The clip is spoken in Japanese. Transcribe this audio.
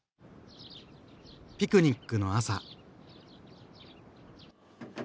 ピクニックの朝。